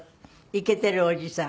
イケてるおじさん。